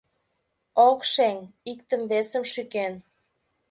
Ок шеҥ, иктым-весым шӱкен.